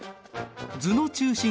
図の中心